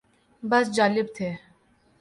بس جالب تھے